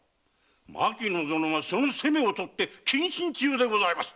牧野殿はその責めをとって謹慎中でございます！